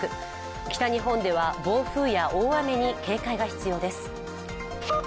北日本では暴風や大雨に警戒が必要です。